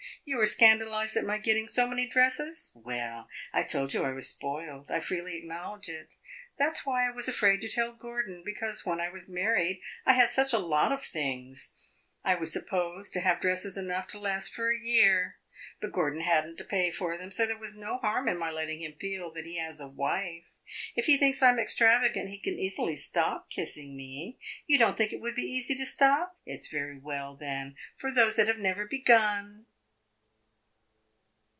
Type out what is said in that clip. You are scandalized at my getting so many dresses? Well, I told you I was spoiled I freely acknowledge it. That 's why I was afraid to tell Gordon because when I was married I had such a lot of things; I was supposed to have dresses enough to last for a year. But Gordon had n't to pay for them, so there was no harm in my letting him feel that he has a wife. If he thinks I am extravagant, he can easily stop kissing me. You don't think it would be easy to stop? It 's very well, then, for those that have never begun!"